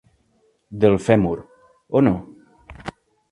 Del fèmur, o no?